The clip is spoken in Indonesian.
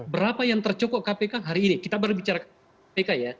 berapa yang tercokok kpk hari ini kita baru bicara kpk ya